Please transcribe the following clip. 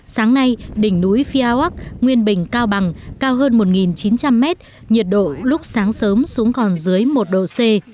sáng nay đỉnh núi phiêu quắc nguyên bình cao bằng cao hơn một chín trăm linh m nhiệt độ lúc sáng sớm xuống còn dưới một độ c